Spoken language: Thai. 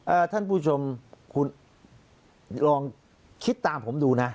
ท่านผู้ชมคุณลองคิดตามผมดูนะ